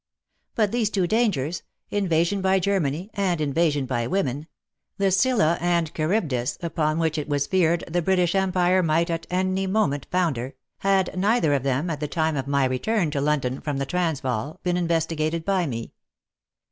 But these two dangers — invasion by Ger 8 WAR AND WOMEN many and invasion by Women, — the Scylla and Charybdis upon which it was feared the British Empire might at any moment founder — had neither of them, at the time of my return to London from the Transvaal, been investigated by me.